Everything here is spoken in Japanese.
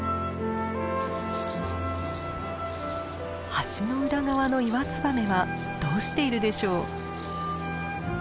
橋の裏側のイワツバメはどうしているでしょう？